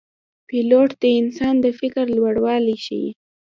پیلوټ د انسان د فکر لوړوالی ښيي.